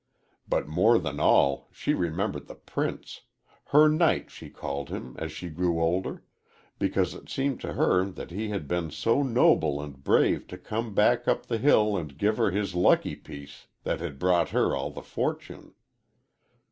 But more than all she remembered the prince her knight she called him as she grew older because it seemed to her that he had been so noble and brave to come back up the hill and give her his lucky piece that had brought her all the fortune.